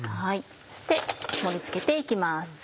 そして盛り付けて行きます。